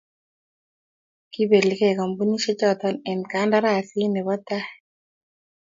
kiibeligei kampunisiechoto eng' kantarasi ne kobo tai.